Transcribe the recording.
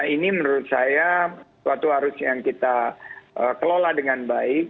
ini menurut saya suatu harus yang kita kelola dengan baik